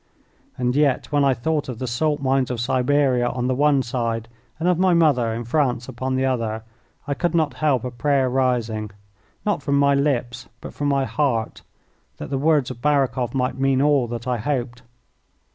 And yet when I thought of the salt mines of Siberia on the one side and of my mother in France upon the other, I could not help a prayer rising, not from my lips, but from my heart, that the words of Barakoff might mean all that I hoped.